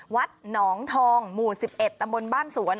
วัดหนองทองหมู่๑๑ตำบลบ้านสวน